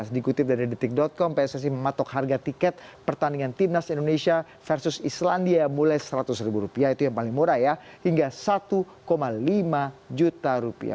dikutip dari detik com pssi mematok harga tiket pertandingan timnas indonesia versus islandia mulai rp seratus itu yang paling murah ya hingga rp satu lima juta rupiah